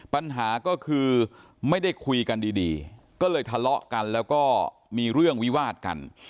ปัญหาก็คือไม่ได้คุยกันดีก็เลยทะเลาะกันแล้วก็มีเรื่องวิวาดกัน